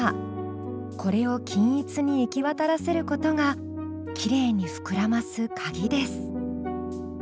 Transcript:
これを均一に行き渡らせることがきれいに膨らますカギです。